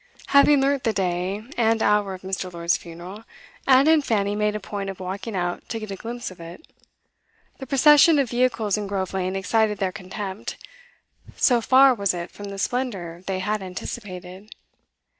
Having learnt the day and hour of Mr. Lord's funeral, Ada and Fanny made a point of walking out to get a glimpse of it. The procession of vehicles in Grove Lane excited their contempt, so far was it from the splendour they had anticipated.